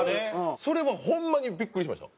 それはホンマにビックリしました。